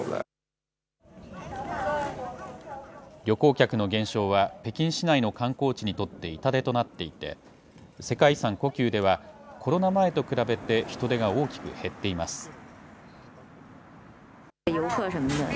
旅行客の減少は、北京市内の観光地にとって痛手となっていて、世界遺産、故宮ではコロナ前と比べて人出が大きく減っています。